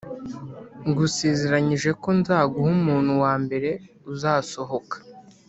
Ngusezeranyije ko nzaguha umuntu wa mbere uzasohoka